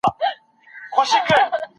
غواړي پاچا د نوي نوي هنرونو کیسې